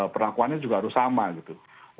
perlakuannya juga harus sama gitu